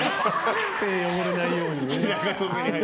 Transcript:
手汚れないようにね。